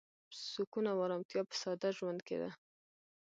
سکون او ارامتیا په ساده ژوند کې ده.